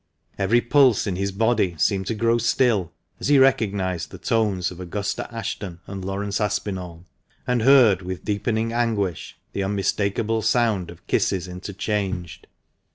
Every pulse in his body seemed to grow still as he recognised the tones of Augusta Ashton and Laurence Aspinall, and heard with deepening anguish the unmistakable sound of kisses interchanged.